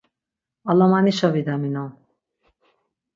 Alamanişa vidaminon.